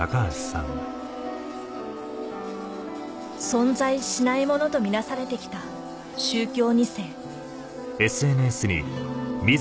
存在しないものと見なされてきた宗教